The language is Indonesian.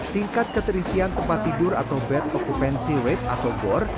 tingkat keterisian tempat tidur atau bed okupansi wet atau gor